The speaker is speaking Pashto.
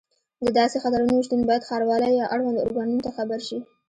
د داسې خطرونو شتون باید ښاروالۍ یا اړوندو ارګانونو ته خبر شي.